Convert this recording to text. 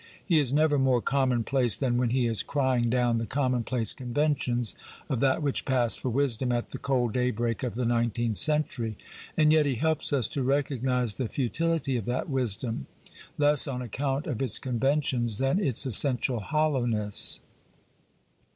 He is never more commonplace than when he is crying down the commonplace conventions of that which passed for wisdom at the cold daybreak of the nineteenth cen tury, and yet he helps us to recognise the futility of that wisdom, less on account of its conventions than its essential hollowness.